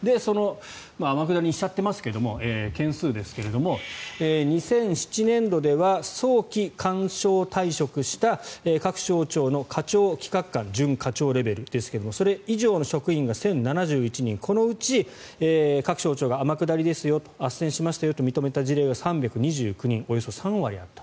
天下りにしちゃっていますが件数ですが２００７年度では早期勧奨退職した各省庁の課長企画官準課長レベルですがそれ以上の職員が１０７１人このうち各省庁が天下りですよとあっせんしましたよと認めた事例が３２９人およそ３割あった。